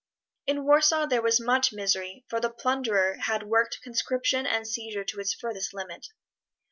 In Warsaw there was much misery, for the plunderer had worked conscription and seizure to its furthest limit.